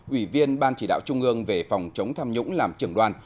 ủy viên ban chỉ đạo trung ương về phòng chống tham nhũng làm trưởng đoàn